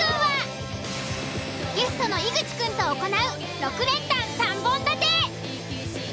ゲストの井口くんと行う６連単３本立て。